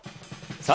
さあ